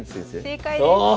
正解です。